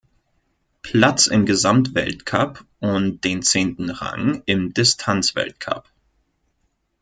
Platz im Gesamtweltcup und den zehnten Rang im Distanzweltcup.